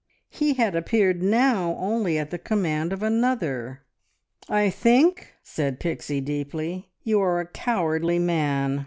He had appeared now only at the command of another. "I think," said Pixie deeply, "you are a cowardly man.